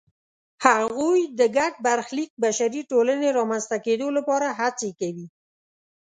هغوی د ګډ برخلیک بشري ټولنې رامنځته کېدو لپاره هڅې کوي.